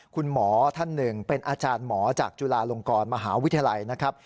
คุณหมอท่านหนึ่งเป็นอาจารย์หมอจากจุฬาลงกรมหาวิทยาลัยนะครับ